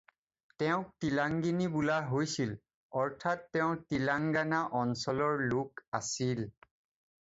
তেওঁক তিলাংগিনী বোলা হৈছিল, অৰ্থাৎ তেওঁ তিলাংগানা অঞ্চলৰ লোক আছিল।